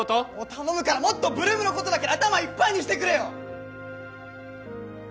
頼むからもっと８ＬＯＯＭのことだけで頭いっぱいにしてくれよ！